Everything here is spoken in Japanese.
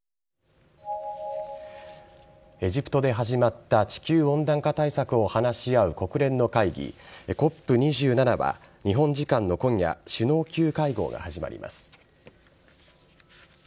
エジプトで始まった地球温暖化対策を話し合う国連の会議、ＣＯＰ２７は、日本時間の今夜、首脳級会合が始まります。